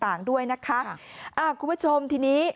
มันเป็นวันเรียงมันเป็นวันเรียง